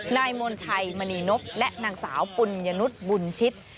มณชัยมณีนบและนางสาวปุญญนุษย์บุญชิต